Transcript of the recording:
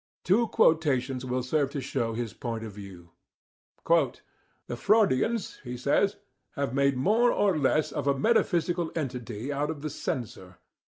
Two quotations will serve to show his point of view: "The Freudians (he says) have made more or less of a 'metaphysical entity' out of the censor.